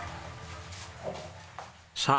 さあ